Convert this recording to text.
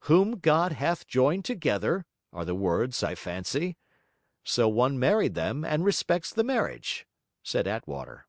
WHOM GOD HATH JOINED TOGETHER, are the words, I fancy. So one married them, and respects the marriage,' said Attwater.